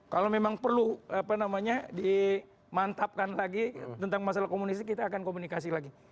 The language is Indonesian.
kalau memang perlu apa namanya dimantapkan lagi tentang masalah komunisasi kita akan komunikasi lagi